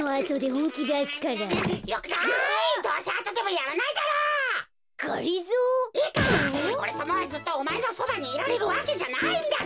おれさまはずっとおまえのそばにいられるわけじゃないんだぞ。